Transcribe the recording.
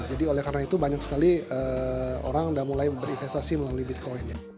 jadi oleh karena itu banyak sekali orang sudah mulai berinvestasi melalui bitcoin